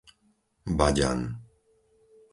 Baďan